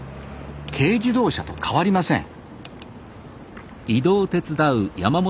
軽自動車と変わりません